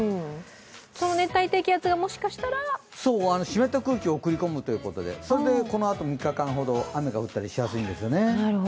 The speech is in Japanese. その熱帯低気圧がもしかしたらそう、湿った空気を送り込むということでそれでこのあと３日間ほど雨が降ったりしやすいんですよね。